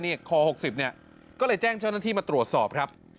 นี่คอ๖๐เนี่ยก็เลยแจ้งเจ้าหน้าที่มาตรวจสอบครับ